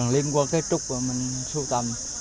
liên quan cái trúc mà mình sưu tầm